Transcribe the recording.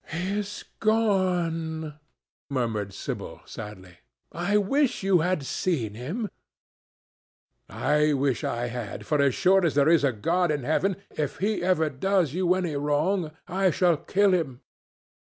"He is gone," murmured Sibyl sadly. "I wish you had seen him." "I wish I had, for as sure as there is a God in heaven, if he ever does you any wrong, I shall kill him."